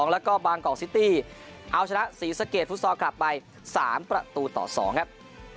แล้วก็บางกอกซิตี้เอาชนะศรีสะเกดฟุตซอลกลับไป๓ประตูต่อ๒ครับ